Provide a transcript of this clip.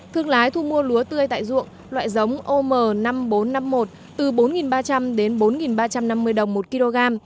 thương lái thu mua lúa tươi tại ruộng loại giống om năm nghìn bốn trăm năm mươi một từ bốn ba trăm linh đến bốn ba trăm năm mươi đồng một kg